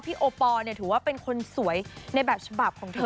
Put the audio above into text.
พี่โอปอร์เนี่ยถือว่าเป็นคนสวยในแบบฉบับของเธอเอง